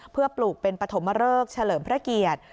เพื่อปลูกเป็นปฐมเริกเฉลิมพระเกียรติ